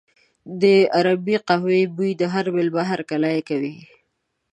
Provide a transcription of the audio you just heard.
د عربي قهوې بوی د هر مېلمه هرکلی کوي.